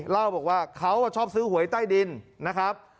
เล่าบอกว่าเขาชอบซื้อหวยใต้ดินนะครับ